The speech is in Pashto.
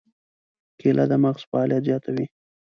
کېله د مغز فعالیت زیاتوي.